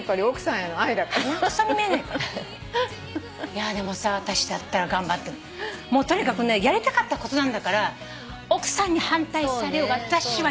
いやでもさあたしだったら頑張ってもうとにかくねやりたかったことなんだから奥さんに反対されようがあたしは挑戦してほしい。